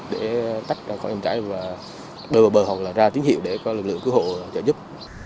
để tách ra khỏi dòng trải và bơi vào bờ hoặc là ra tiếng hiệu để có lực lượng cứu hộ trợ giúp